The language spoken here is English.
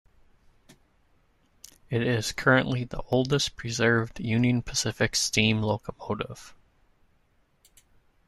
It is currently the oldest preserved Union Pacific steam locomotive.